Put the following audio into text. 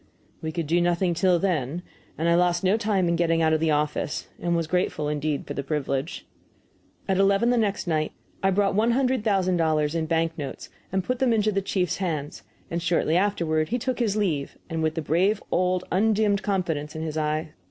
We could do nothing till then, and I lost no time in getting out of the office, and was grateful indeed for the privilege. At eleven the next night I brought one hundred thousand dollars in bank notes and put them into the chief's hands, and shortly afterward he took his leave, with the brave old undimmed confidence in his eye.